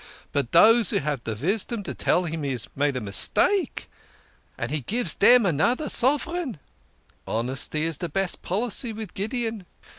But dose who have visdom tell him he's made a mistake, and he gives dem anoder sov'ran. Honesty is de best policy with Gideon.